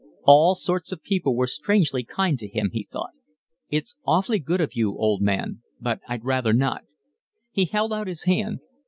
All sorts of people were strangely kind to him, he thought. "It's awfully good of you, old man, but I'd rather not." He held out his hand.